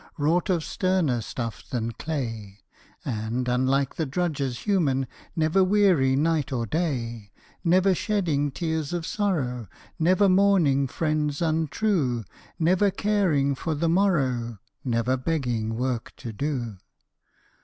Wrought of sterner stuff than clay; And, unlike the drudges human, Never weary night or day; Never shedding tears of sorrow, Never mourning friends untrue, Never caring for the morrow, Never begging work to do.